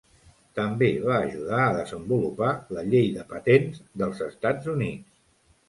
També va ajudar a desenvolupar la llei de patents dels Estats Units.